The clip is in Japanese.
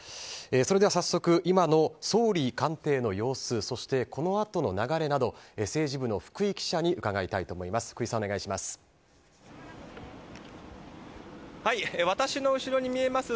それでは早速今の総理官邸の様子そしてこのあとの流れなど政治部の福井記者に伺いたいと思います。